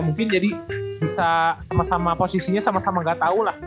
mungkin jadi bisa sama sama posisinya sama sama nggak tahu lah